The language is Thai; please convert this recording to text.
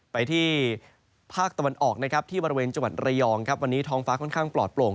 ไปที่ภาคตะวันออกนะครับที่บริเวณจังหวัดระยองครับวันนี้ท้องฟ้าค่อนข้างปลอดโปร่ง